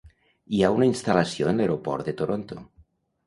Hi ha una instal·lació en l'Aeroport de Toronto.